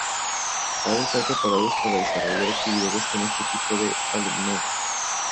Han de estar preparados para desarrollar actividades con este tipo de alumnado.